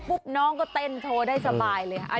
ปุ๊บน้องก็เต้นโทรได้สบายเลย